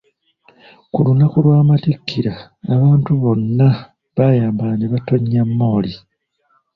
Ku lunaku lw’amatikkira abantu bonna baayambala ne batonya mmooli.